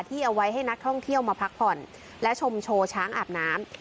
เอาไว้ให้นักท่องเที่ยวมาพักผ่อนและชมโชว์ช้างอาบน้ำ